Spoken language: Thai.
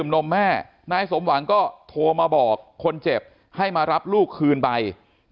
นมแม่นายสมหวังก็โทรมาบอกคนเจ็บให้มารับลูกคืนไป